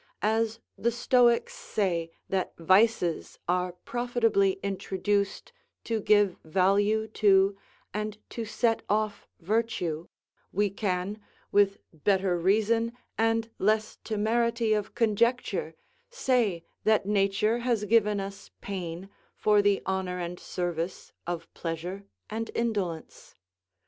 As the Stoics say that vices are profitably introduced to give value to and to set off virtue, we can, with better reason and less temerity of conjecture, say that nature has given us pain for the honour and service of pleasure and indolence.